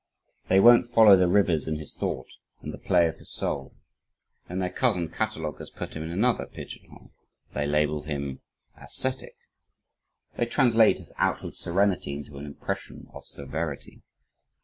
They won't follow the rivers in his thought and the play of his soul. And their cousin cataloguers put him in another pigeon hole. They label him "ascetic." They translate his outward serenity into an impression of severity.